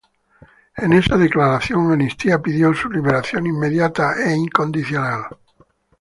En esa declaración, Amnistía pidió "su liberación inmediata e incondicional".